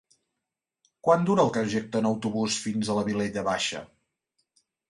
Quant dura el trajecte en autobús fins a la Vilella Baixa?